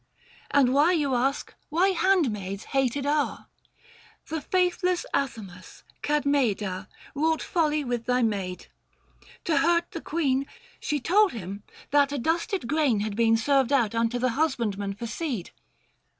660 And now you ask, why handmaids hated are ? The faithless Athamas, Cadmeida ! Wrought folly with thy maid. To hurt the queen She told him that adusted grain had been Served out unto the husbandmen for seed.